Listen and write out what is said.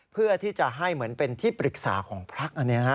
เพื่อที่จะให้เหมือนเป็นที่ปรึกษาของพระ